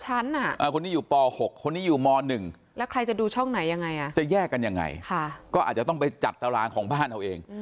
คนนี้อยู่ป๖คนนี้อยู่ม๑แล้วใครจะดูช่องไหนยังไงจะแยกกันยังไงก็อาจจะต้องไปจัดตารางของบ้านเอาเอง